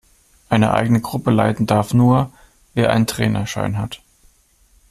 Eine eigene Gruppe leiten darf nur, wer einen Trainerschein hat.